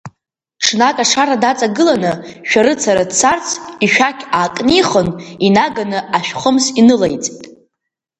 Ҽнак, ашара даҵагыланы, шәарыцара дцарц, ишәақь аакнихын, инаганы ашәхымс инылаиҵеит.